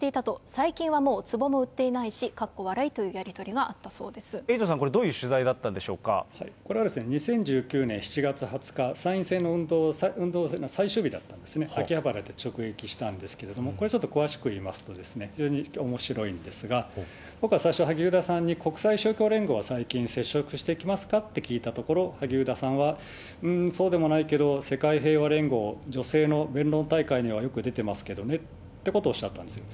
最近はもうつぼも売っていないし、かっこ笑いというやり取りがあっエイトさん、これはどういうこれはですね、２０１９年７月２０日、参院選の運動最終日だったんですね、秋葉原で直撃したんですけれども、これちょっと詳しくいいますとおもしろいんですが、僕は最初、萩生田さんに国際勝共連合は最近、接触してきますか？と聞いたところ、萩生田さんは、うーんそうでもないけど、世界平和連合、女性の弁論大会にはよく出てますけどねってことをおっしゃったんです。